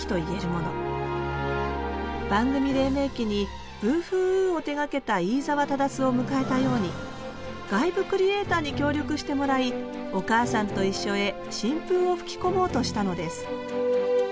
番組黎明期に「ブーフーウー」を手がけた飯沢匡を迎えたように外部クリエイターに協力してもらい「おかあさんといっしょ」へ新風を吹き込もうとしたのです